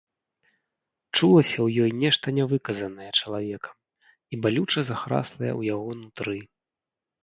Чулася ў ёй нешта нявыказанае чалавекам і балюча захраслае ў яго нутры.